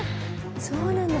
そうなんだ。